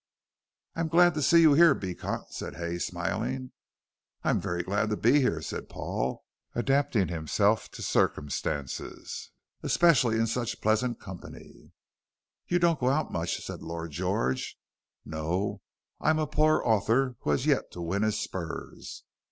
"I am glad to see you here, Beecot," said Hay, smiling. "I am very glad to be here," said Paul, adapting himself to circumstances, "especially in such pleasant company." "You don't go out much," said Lord George. "No, I am a poor author who has yet to win his spurs."